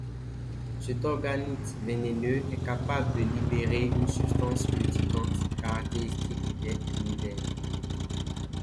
Cet organite vénéneux est capable de libérer une substance urticante caractéristique des Cnidaires.